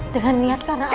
dengan niat karena